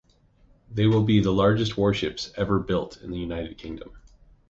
They will be the largest warships ever built in the United Kingdom.